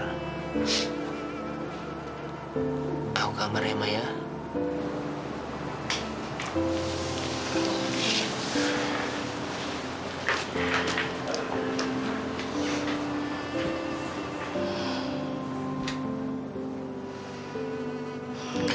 yaudah sekarang ma istirahat ya mama tidur